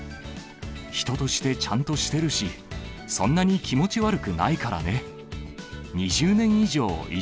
人としてちゃんとしてるし、そんなに気持ち悪くないからね。